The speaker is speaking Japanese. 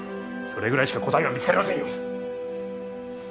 それぐらいしか答えが見つかりませんよ。